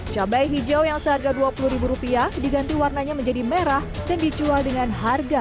cabai hijau yang seharga dua puluh rupiah diganti warnanya menjadi merah dan dijual dengan harga